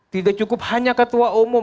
tidak cukup hanya ketua umum